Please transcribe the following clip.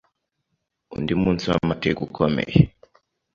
Undi munsi w’amateka ukomeye